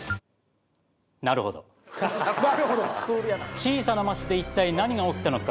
小さな町でいったい何が起きたのか。